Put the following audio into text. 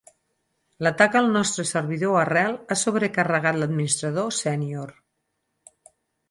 L'atac al nostre servidor arrel ha sobrecarregat l'administrador sènior.